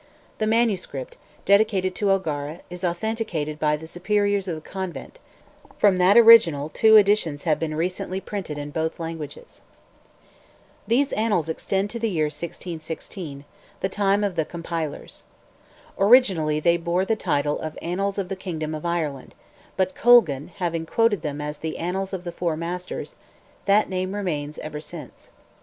The MS., dedicated to O'Gara, is authenticated by the superiors of the convent; from that original two editions have recently been printed in both languages. These annals extend to the year 1616, the time of the compilers. Originally they bore the title of "Annals of the Kingdom of Ireland," but Colgan having quoted them as "The Annals of the Four Masters," that name remains ever since.